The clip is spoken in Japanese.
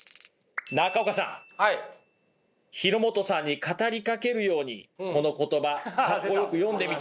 中岡さん廣本さんに語りかけるようにこの言葉格好よく読んでみていただけますか？